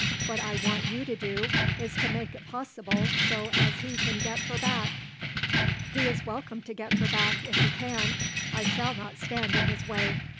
What I want you to do is to make it possible so as he can get her back." "He is welcome to get her back if he can. I shall not stand in his way.